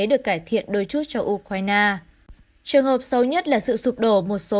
được cải thiện đôi chút cho ukraine trường hợp xấu nhất là sự sụp đổ một số